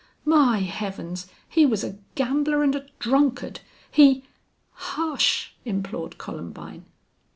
My Heavens! He was a gambler and a drunkard. He " "Hush!" implored Columbine.